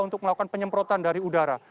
untuk melakukan penyemprotan dari udara